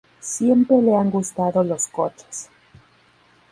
Siempre le han gustado los coches.